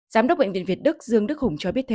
giám đốc bệnh viện việt đức dương đức hùng cho biết thêm